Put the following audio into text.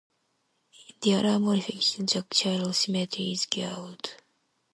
In the other modification, the chiral symmetry is gauged.